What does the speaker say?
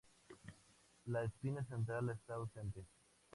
La espina central está ausente.